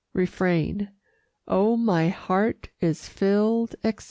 Refrain Oh, my heart is filled, etc.